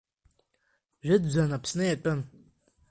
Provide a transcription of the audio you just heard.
Жәытәӡан Аԥсны иатәын.